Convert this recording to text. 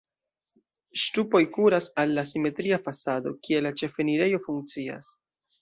Ŝtupoj kuras al la simetria fasado, kie la ĉefenirejo funkcias.